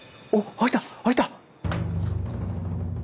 開いた！